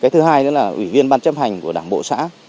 thứ hai nữa là ủy viên ban chấp hành của đảng bộ xã